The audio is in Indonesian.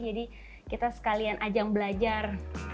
jadi kita sekalian ajang belajar